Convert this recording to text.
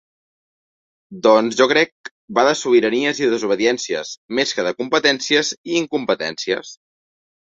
Doncs jo crec va de sobiranies i desobediències, més que de competències i incompetències.